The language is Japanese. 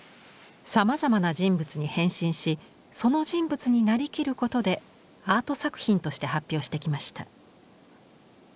さまざまな人物に変身しその人物になりきることでアート作品として発表してきました。